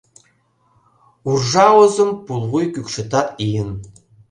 Уржа озым пулвуй кӱкшытат лийын.